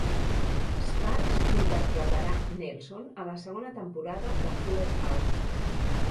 Sparks interpretarà Nelson a la segona temporada de "Fuller House".